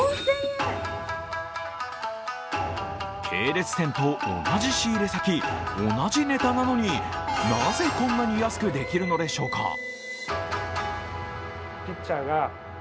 系列店と同じ仕入れ先同じネタなのになぜ、こんなに安くできるのでしょうか？